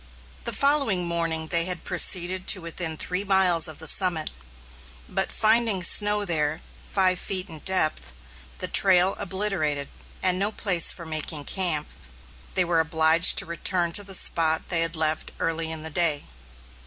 The following morning they had proceeded to within three miles of the summit; but finding snow there five feet in depth, the trail obliterated, and no place for making camp, they were obliged to return to the spot they had left early in the day.